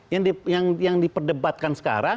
yang diperdebatkan sekarang